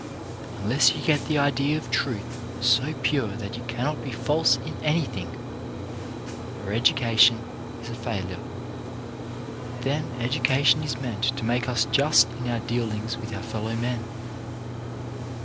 Un less you get the idea of truth so pure that you cannot be false in anything, your education is a failure. Then education is meant to make us just in our dealings with our fellow men.